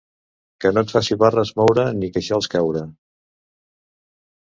Que no et faci barres moure ni queixals caure.